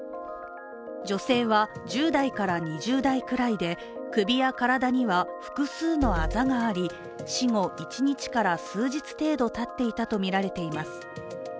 女性は、１０代から２０代くらいで首や体には複数のあざがあり死後１日から数日程度たっていたとみられています。